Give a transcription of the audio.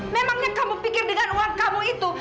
memangnya kamu pikir dengan uang kamu itu